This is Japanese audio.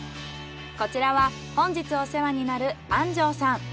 こちらは本日お世話になる安生さん。